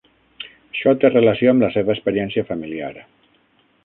Això té relació amb la seva experiència familiar.